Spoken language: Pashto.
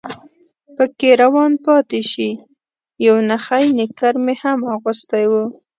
پکې روان پاتې شي، یو نخی نیکر مې هم اغوستی و.